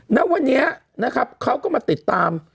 แล้ววันนี้เขาก็มาติดตาม